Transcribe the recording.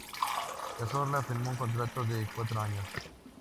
Cazorla firmó un contrato de cuatro años.